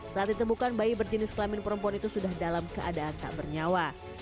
saat ditemukan bayi berjenis kelamin perempuan itu sudah dalam keadaan tak bernyawa